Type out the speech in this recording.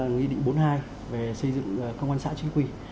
nghị định bốn mươi hai về xây dựng công an xã chính quy